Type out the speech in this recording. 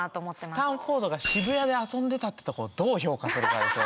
スタンフォードが渋谷で遊んでたってとこどう評価するかですよね。